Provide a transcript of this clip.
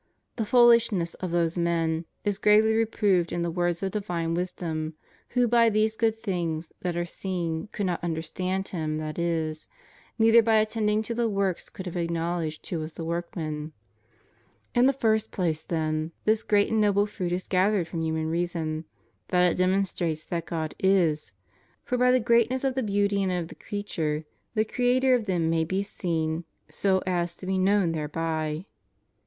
The foolishness of those men is gravely reproved in the words of divine wisdom who by these good things that are seen could not understand Him that is, neither by attending to the works could have acknowledged who was the workman.* In the first place, then, this great and noble fruit is gathered from human reason, that it demonstrates that God is; for by the greatness of the beauty and of the creature the Creator of them may be seen so as to be known thereby.